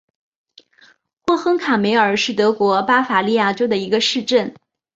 霍亨卡梅尔是德国巴伐利亚州的一个市镇。